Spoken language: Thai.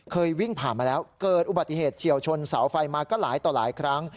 วิ่งผ่านมาแล้วเกิดอุบัติเหตุเฉียวชนเสาไฟมาก็หลายต่อหลายครั้ง